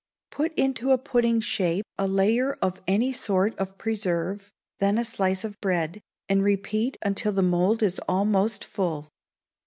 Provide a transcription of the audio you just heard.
Put into a pudding shape a layer of any sort of preserve, then a slice of bread, and repeat until the mould is almost full.